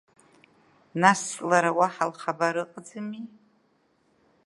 Нас лара уаҳа лхабар ыҟаӡами?